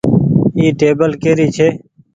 اي ٽيبل ڪري ڇي ۔